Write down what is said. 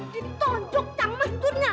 ditonjuk cang mesdurnya